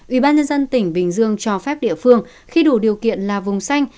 ubnd tỉnh bình dương cho phép địa phương khi đủ điều kiện là vùng xanh